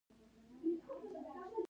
ښه اورېدنه پوهېدنه زیاتوي.